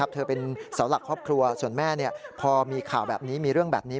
เธอเป็นเสาหลักครอบครัวส่วนแม่พอมีข่าวแบบนี้มีเรื่องแบบนี้